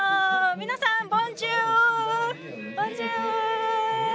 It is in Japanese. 皆さん、ボンジュール！